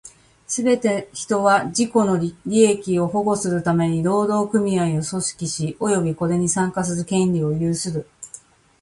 すべて人は、自己の利益を保護するために労働組合を組織し、及びこれに参加する権利を有する。